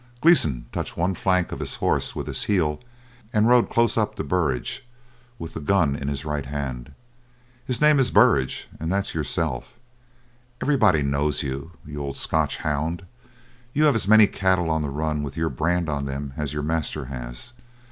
Gleeson touched one flank of his horse with his heel, and rode close up to Burridge with the gun in his right hand. "His name is Burridge, and that's yourself. Everybody knows you, you old Scotch hound. You have as many cattle on the run with your brand on them as your master has.